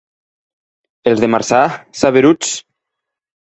Els de Marçà, saberuts.